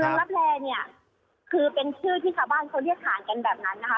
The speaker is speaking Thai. รับแลเนี่ยคือเป็นชื่อที่ชาวบ้านเขาเรียกฐานกันแบบนั้นนะคะ